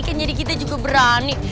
kan jadi kita juga berani